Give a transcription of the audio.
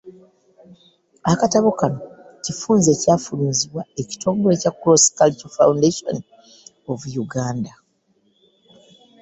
Akatabo kano kifunze ekyafulumizibwa ekitongole kya Cross-Cultural Foundation of Uganda.